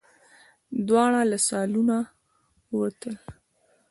دواړه له سالونه ووتل.